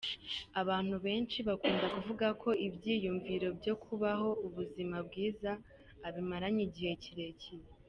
Abantu benshi bakunda kuvuga ko ibyiyumviro byo kubaho ubuzima bwiza abimaranye igihe kirekire.